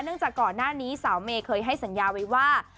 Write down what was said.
จากก่อนหน้านี้สาวเมย์เคยให้สัญญาไว้ว่า